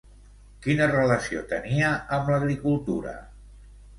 Quina relació tenia amb l'agricultura?